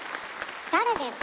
誰です？